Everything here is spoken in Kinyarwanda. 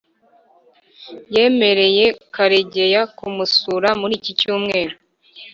yemereye karegeya kumusura muri iki cyumweru